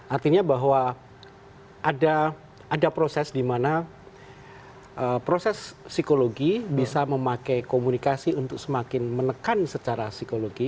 artinya bahwa ada proses di mana proses psikologi bisa memakai komunikasi untuk semakin menekan secara psikologi